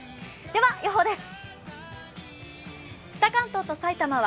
では、予報です。